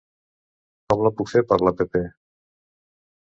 Com la puc fer per l'app?